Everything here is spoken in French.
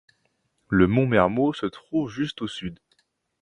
Le mont Mermoz se trouve juste au sud.